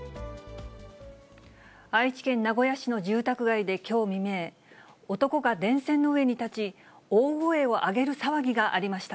愛知県名古屋市の住宅街できょう未明、男が電線の上に立ち、大声を上げる騒ぎがありました。